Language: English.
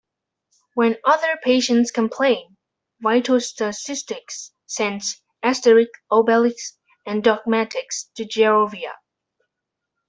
When other patients complain, Vitalstatistix sends Asterix, Obelix, and Dogmatix to Gergovia.